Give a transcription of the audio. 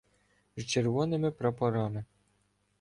З червоними прапорами,.